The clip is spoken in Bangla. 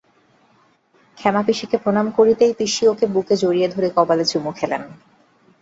ক্ষেমাপিসিকে প্রণাম করতেই পিসি ওকে বুকে জড়িয়ে ধরে কপালে চুমু খেলে।